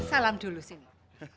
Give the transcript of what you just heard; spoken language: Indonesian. salam dulu sini